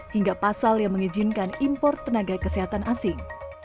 hingga pasal yang mengizinkan impor tenaga kesehatan asing